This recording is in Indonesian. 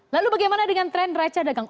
lalu bagaimana dengan tren raca dagang